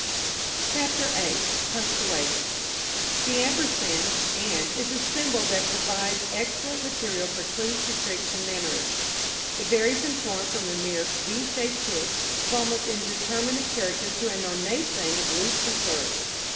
CHAPTER VIII. PUNCTUATION. The ampersand (&) is a symbol that provides excellent material for clues to tricks and mannerisms. It varies in form from a mere v shaped tick of almost indeterminate character to an ornate thing of loops and flourishes.